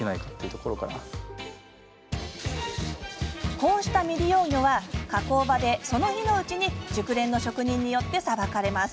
こうした未利用魚は加工場で、その日のうちに熟練の職人によってさばかれます。